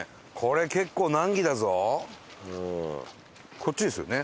こっちですよね？